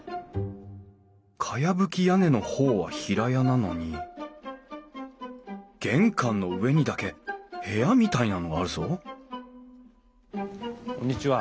かやぶき屋根の方は平屋なのに玄関の上にだけ部屋みたいなのがあるぞこんにちは。